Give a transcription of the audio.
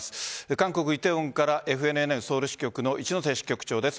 韓国・梨泰院からＦＮＮソウル支局の一之瀬支局長です。